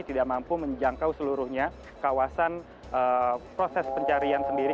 tidak mampu menjangkau seluruhnya kawasan proses pencarian sendiri